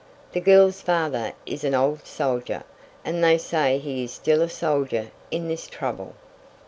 The girl's father is an old soldier, and they say he is still a soldier in this trouble."